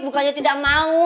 bukannya tidak mau